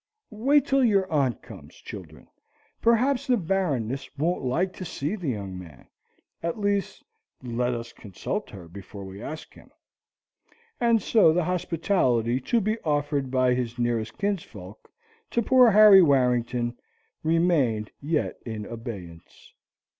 "Wait till your aunt comes, children; perhaps the Baroness won't like to see the young man; at least, let us consult her before we ask him." And so the hospitality to be offered by his nearest kinsfolk to poor Harry Warrington remained yet in abeyance.